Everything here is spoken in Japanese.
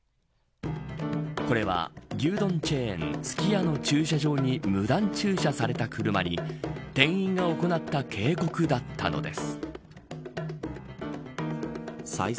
これは、牛丼チェーンすき家の駐車場に無断駐車された車に店員が行った警告だったのです。